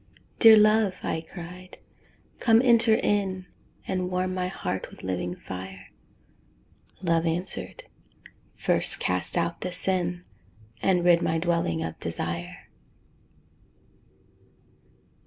"Dear love," I cried, "come enter in And warm my heart with living fire." Love answered, "First cast out the sin And rid my dwelling of desire."